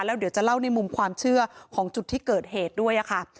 แล้วเดี๋ยวจะเล่าในมุมความเชื่อของจุดที่เกิดเหตุด้วยค่ะ